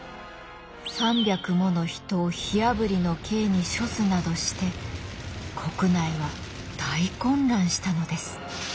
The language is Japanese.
３００もの人を火あぶりの刑に処すなどして国内は大混乱したのです。